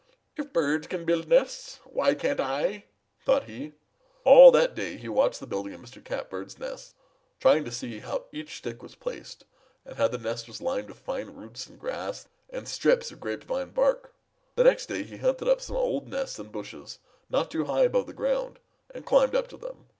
'If birds can build nests, why can't I?' thought he. All that day he watched the building of Mr. Catbird's nest, trying to see just how each stick was placed and how the nest was lined with fine roots and grass and strips of grapevine bark. The next day he hunted up some old nests in bushes not too high above the ground and climbed up to them.